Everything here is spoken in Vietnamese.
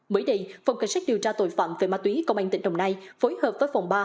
mới đây phòng cảnh sát điều tra tội phạm về ma túy công an tỉnh đồng nai phối hợp với phòng ba